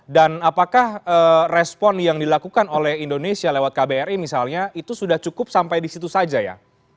dan apakah respon yang dilakukan oleh indonesia lewat kbri misalnya itu sudah cukup sampai di situ saja ya